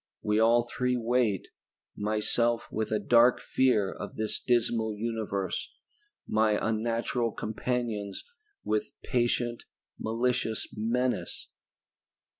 We all three wait, myself with a dark fear of this dismal universe, my unnatural companions with patient, malicious menace.